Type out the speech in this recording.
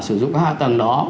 sử dụng hai tầng đó